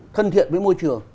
thân thiện với môi trường